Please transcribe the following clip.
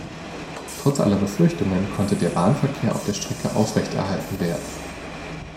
Trotz aller Befürchtungen konnte der Bahnverkehr auf der Strecke aufrechterhalten werden.